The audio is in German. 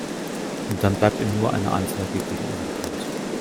Dann bleibt ihm nur eine Anzeige gegen unbekannt.